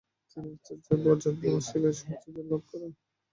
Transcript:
তিনি আচার্য ব্রজেন্দ্রনাথ শীলের সাহচর্য লাভ করেন।